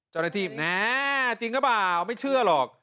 เจ้าหน้าที่แน่จริงหรือเปล่าไม่เชื่อหรอก